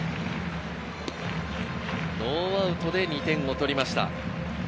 ノーアウトで２点を取りました。